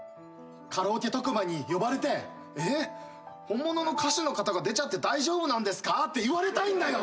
カラオケ特番に呼ばれて「えっ？本物の歌手の方が出ちゃって大丈夫なんですか？」って言われたいんだよ！